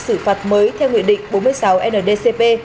xử phạt mới theo nguyện định bốn mươi sáu ndcp